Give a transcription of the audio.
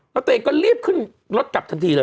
แล้วตัวเองก็รีบขึ้นรถกลับทันทีเลย